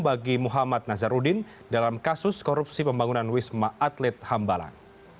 bagi muhammad nazarudin dalam kasus korupsi pembangunan wisma atlet hambalang